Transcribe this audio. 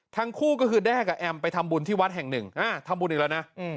ทั้งคู่ก็คือแด้กับแอมไปทำบุญที่วัดแห่งหนึ่งทำบุญอีกแล้วนะ